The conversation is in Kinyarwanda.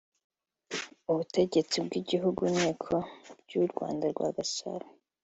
ubutegetsi bw’ibihugu-nkiko by’u Rwanda rwa Gasabo